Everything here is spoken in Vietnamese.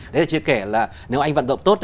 đấy là chưa kể là nếu anh vận động tốt